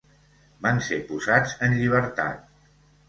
Van ser posats en llibertat.